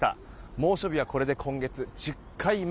猛暑日はこれで１０回目。